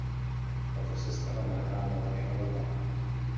Tato sestava nahrála dvě alba.